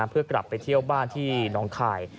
เพื่อกลับไปเที่ยวบ้านที่น้องคาย